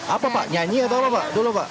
apa pak nyanyi atau apa pak